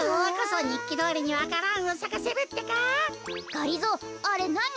がりぞーあれなに？